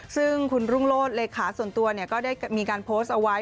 ซึ่งคุณรุ่งโลศเลขาส่วนตัวก็ได้มีการโพสต์เอาไว้